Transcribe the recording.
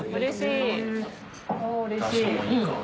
うれしい！